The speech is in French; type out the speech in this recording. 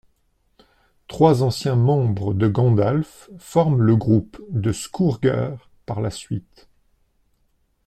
Trois anciens membres de Gandalf forment le groupe The Scourger par la suite.